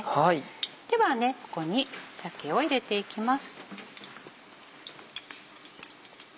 ではここに鮭を入れていきます。